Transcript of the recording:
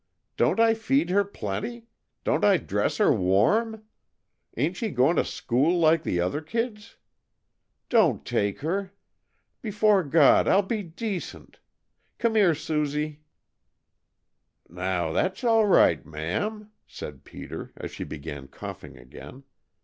Don't I feed her plenty? Don't I dress her warm? Ain't she going to school like the other kids? Don't take her. Before God, I'll be decent. Come here, Susie!" "Now, that's all right, ma'am," said Peter, as she began coughing again.